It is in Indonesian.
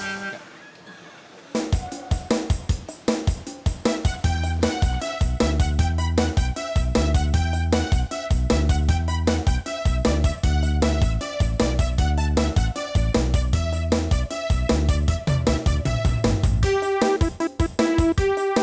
oke siap mbak